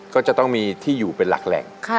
ก็จะต้องมีที่อยู่เป็นหลักแหล่ง